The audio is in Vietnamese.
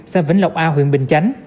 sang vĩnh lộc a huyện bình chánh